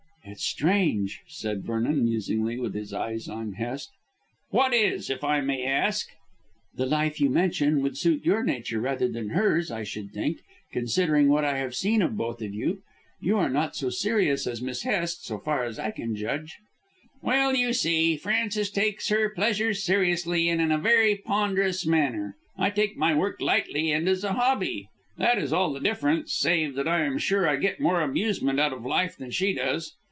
"It's strange," said Vernon, musingly, with his eyes on Hest. "What is, if I may ask?" "The life you mention would suit your nature rather than hers, I should think, considering what I have seen of both of you. You are not so serious as Miss Hest, so far as I can judge." Hest laughed. "Well, you see, Frances takes her pleasures seriously and in a very ponderous manner. I take my work lightly and as a hobby. That is all the difference, save that I am sure I get more amusement out of life than she does.